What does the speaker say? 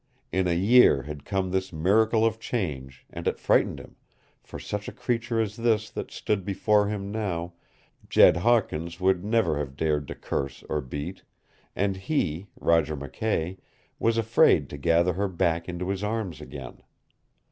In a year had come this miracle of change, and it frightened him, for such a creature as this that stood before him now Jed Hawkins would never have dared to curse or beat, and he Roger McKay was afraid to gather her back into his arms again.